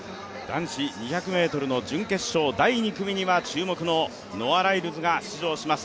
男子２００ｍの準決勝第２組には注目のノア・ライルズが出場します